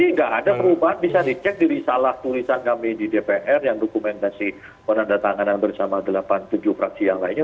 masih tidak ada perubahan bisa dicek di salah tulisan kami di dpr yang dokumentasi penanda tanganan bersama delapan puluh tujuh praksi yang lainnya